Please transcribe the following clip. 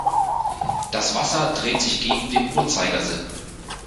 Das Wasser dreht sich gegen den Uhrzeigersinn.